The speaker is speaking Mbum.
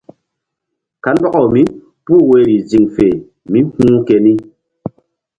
Kandɔkaw mípuh woyri ziŋ fe mí hu̧h keni.